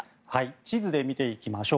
地図で見ていきましょう。